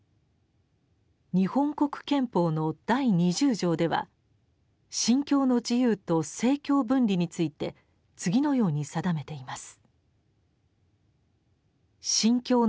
「日本国憲法」の第二十条では「信教の自由」と「政教分離」について次のように定めています。